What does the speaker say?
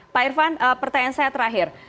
pak irfan pertanyaan saya terakhir